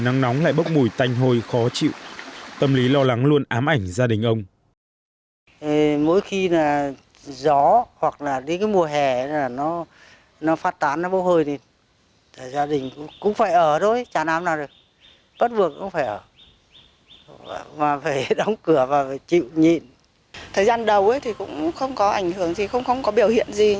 nắng nóng lại bốc mùi tanh hôi khó chịu tâm lý lo lắng luôn ám ảnh gia đình ông